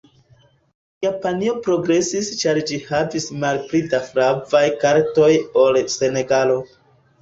Japanio progresis ĉar ĝi havis malpli da flavaj kartoj ol Senegalo.